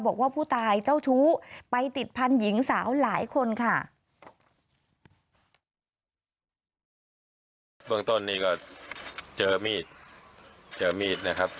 บอกว่าผู้ตายเจ้าชู้ไปติดพันธุ์หญิงสาวหลายคนค่ะ